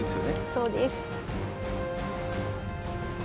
そうです。